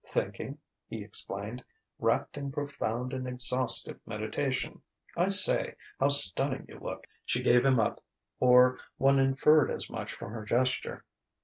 "Thinking," he explained: "wrapped in profound and exhaustive meditation. I say, how stunning you look!" She gave him up; or one inferred as much from her gesture.